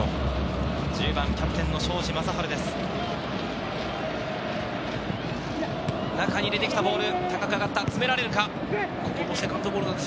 １０番、キャプテン・庄司壮晴です。